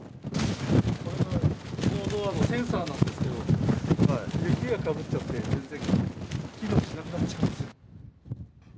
ここのドアのセンサーなんですけど、雪がかぶっちゃって、全然機能しなくなっちゃうんですよ。